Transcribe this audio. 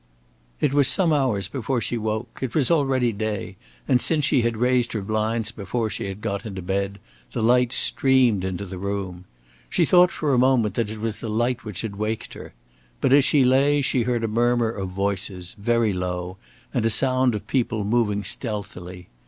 It was some hours before she woke. It was already day, and since she had raised her blinds before she had got into bed, the light streamed into the room. She thought for a moment that it was the light which had waked her. But as she lay she heard a murmur of voices, very low, and a sound of people moving stealthily.